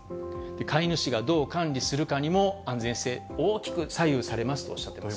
飼い主がどう管理するかにも安全性、大きく左右されますとおっしゃっています。